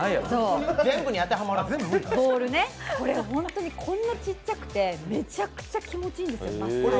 これ本当に、こんなちっちゃくてめちゃくちゃ気持ちいいんですよ。